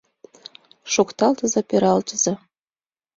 Шокталтыза, пералтыза